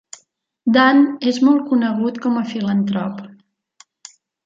Dan és molt conegut com a filantrop.